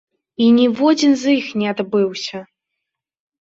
І ніводзін з іх не адбыўся!